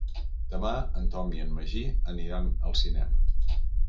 Demà en Tom i en Magí aniran al cinema.